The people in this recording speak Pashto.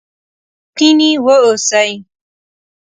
رښتيني و اوسئ!